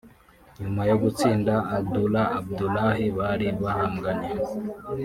nyuma yo gutsinda Addullah Abdullah bari bahanganye